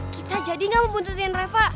kita jadi gak membutuhkan reva